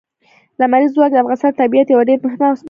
لمریز ځواک د افغانستان د طبیعت یوه ډېره مهمه او بنسټیزه برخه ده.